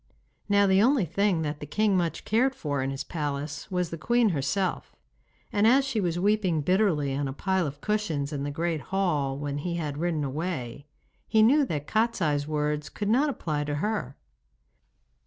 Now the only thing that the king much cared for in his palace was the queen herself, and as she was weeping bitterly on a pile of cushions in the great hall when he had ridden away, he knew that Kostiei's words could not apply to her.